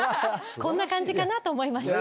こんな感じかなと思いまして。